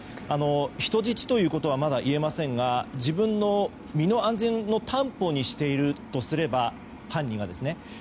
人質ということはまだ言えませんが自分の身の安全の担保にしているとすれば犯人がですね。